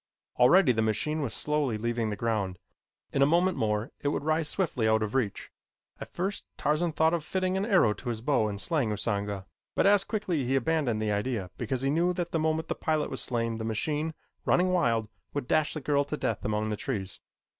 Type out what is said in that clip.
Already the machine was slowly leaving the ground. In a moment more it would rise swiftly out of reach. At first Tarzan thought of fitting an arrow to his bow and slaying Usanga, but as quickly he abandoned the idea because he knew that the moment the pilot was slain the machine, running wild, would dash the girl to death among the trees.